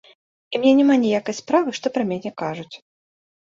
І мне няма ніякай справы, што пра мяне кажуць.